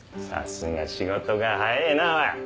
さすが仕事が早えぇな。